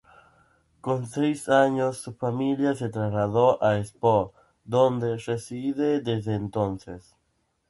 Con seis años su familia se trasladó a Espoo, donde reside desde entonces.